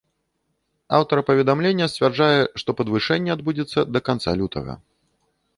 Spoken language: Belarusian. Аўтар паведамлення сцвярджае, што падвышэнне адбудзецца да канца лютага.